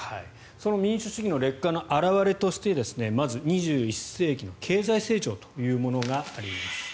その民主主義の劣化の表れとしてまず２１世紀の経済成長というものがあります。